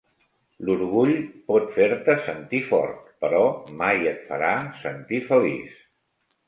L'orgull pot fer-te sentir fort, però mai et farà sentir feliç.